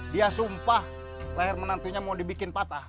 dia sumpah leher menantunya mau dibikin patah